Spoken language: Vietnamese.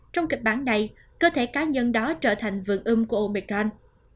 trong kịch bản này cơ thể cá nhân đó trở thành vườn ươm của omicron